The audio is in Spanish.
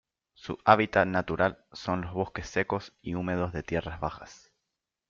Su hábitat natural son los bosques secos y húmedos de tierras bajas.